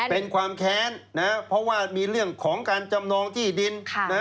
เป็นความแค้นนะเพราะว่ามีเรื่องของการจำนองที่ดิน